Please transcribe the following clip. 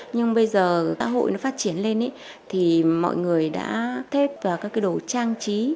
nhưng bây giờ xã hội nó phát triển lên ấy thì mọi người đã thép vào các cái đồ trang trí